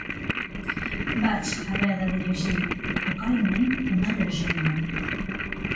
Vaig haver de dirigir vocalment una llegenda.